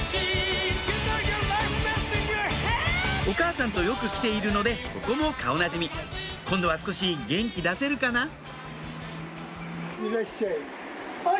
お母さんとよく来ているのでここも顔なじみ今度は少し元気出せるかな？